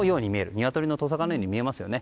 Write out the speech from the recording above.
ニワトリのトサカのように見えますよね。